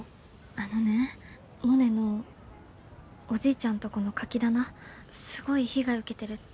あのねモネのおじいちゃんとこのカキ棚すごい被害受けてるって。